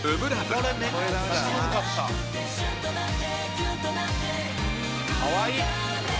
「かわいい！」